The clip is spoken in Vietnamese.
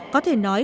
có thể nói